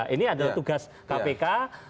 ini adalah tugas kpk